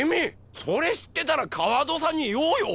それ知ってたら川戸さんに言おうよ！